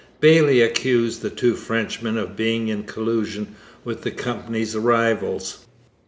Bayly accused the two Frenchmen of being in collusion with the Company's rivals.